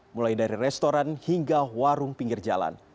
mulai dari restoran hingga warung pinggir jalan